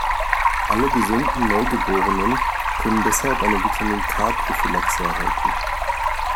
Alle gesunden Neugeborenen können deshalb eine Vitamin-K-Prophylaxe erhalten.